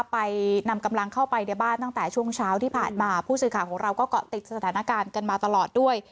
ไปนำกำลังเข้าไปในบ้านตั้งแต่ช่วงเช้าที่ผ่านมาผู้สื่อข่าวของเราก็เกาะติดสถานการณ์กันมาตลอดด้วย